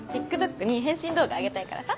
ＴｉｋＴｏｋに変身動画あげたいからさ。